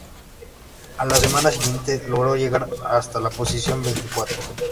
A la semana siguiente, logró llegar hasta la posición veinticuatro.